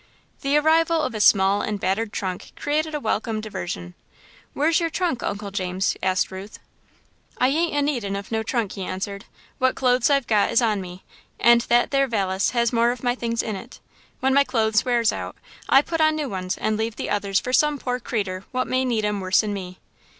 The arrival of a small and battered trunk created a welcome diversion. "Where's your trunk, Uncle James?" asked Ruth. "I ain't a needin' of no trunk," he answered, "what clothes I've got is on me, and that there valise has more of my things in it. When my clothes wears out, I put on new ones and leave the others for some pore creeter what may need 'em worse'n me."